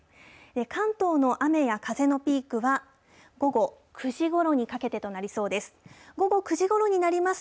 関東の雨や風のピークは、午後９時ごろにかけてとなりそうです。